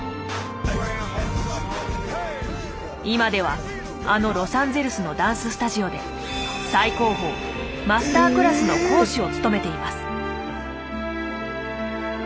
今ではあのロサンゼルスのダンススタジオで最高峰マスタークラスの講師を務めています。